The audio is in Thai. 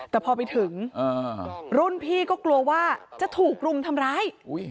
แต่พอไปถึงรุ่นพี่ก็กลัวว่าจะถูกรุมทำร้าย